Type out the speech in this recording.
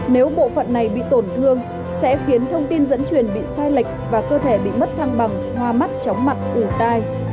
nếu bộ phận này bị tổn thương sẽ khiến thông tin dẫn truyền bị sai lệch và cơ thể bị mất thăng bằng hoa mắt chóng mặt ủ tai